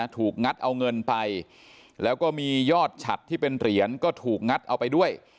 งัดเอาเงินไปแล้วก็มียอดฉัดที่เป็นเหรียญก็ถูกงัดเอาไปด้วย